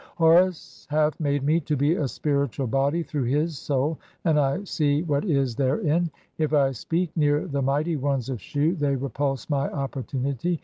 Horus hath "made me to be a spiritual body through his soul, [and I see "what is therein. If I speak near the mighty ones of Shu they "repulse my opportunity.